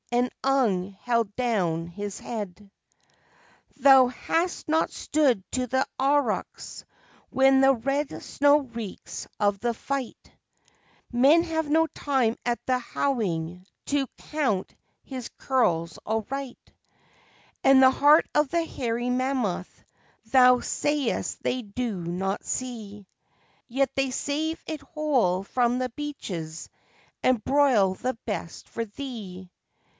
And Ung held down his head. "Thou hast not stood to the aurochs when the red snow reeks of the fight; Men have no time at the houghing to count his curls aright: And the heart of the hairy mammoth thou sayest they do not see, Yet they save it whole from the beaches and broil the best for thee.